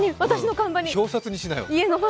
表札にしなよ。